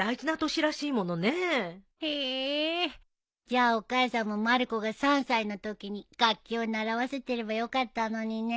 じゃあお母さんもまる子が３歳のときに楽器を習わせてればよかったのにね。